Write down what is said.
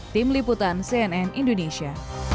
tim liputan cnn indonesia